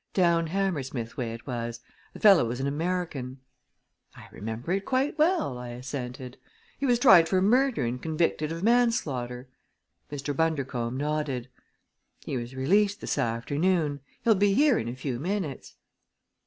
Down Hammersmith way it was. The fellow was an American." "I remember it quite well," I assented. "He was tried for murder and convicted of manslaughter." Mr. Bundercombe nodded. "He was released this afternoon. He'll be here in a few minutes."